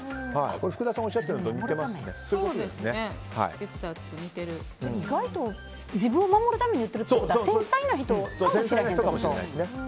福田さんがおっしゃってるのと意外と自分を守るために言ってるってことは繊細な人かもしれないという。